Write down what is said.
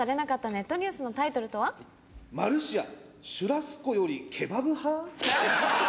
「マルシアシュラスコよりケバブ派？」。